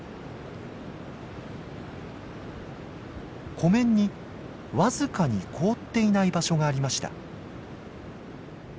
湖面に僅かに凍っていない場所がありました。